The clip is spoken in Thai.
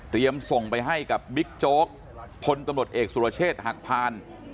เรียมส่งไปให้บิ๊กโจ๊กผนตำรวจเอกสุฬเชษหักพาร